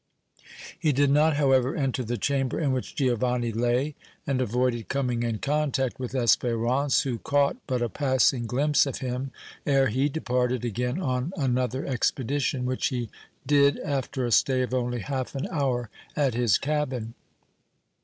He did not, however, enter the chamber in which Giovanni lay and avoided coming in contact with Espérance, who caught but a passing glimpse of him ere he departed again on another expedition, which he did after a stay of only half an hour at his cabin.